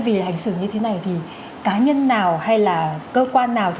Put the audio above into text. vì hành xử như thế này thì cá nhân nào hay là cơ quan nào